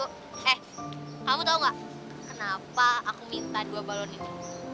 kamu tahu tidak kenapa aku minta dua balon ini